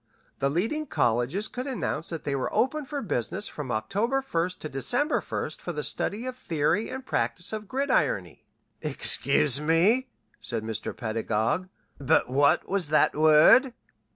The leading colleges could announce that they were open for business from October 1st to December 1st for the study of the Theory and Practice of Gridirony " "Excuse me," said Mr. Pedagog. "But what was that word?"